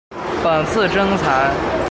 本次征才